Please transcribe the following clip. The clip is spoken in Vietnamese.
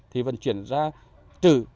thì vận chuyển ra trừ